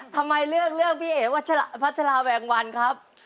ทำไมเลือกเรื่องพี่เอ๋วัชราแวงวันครับ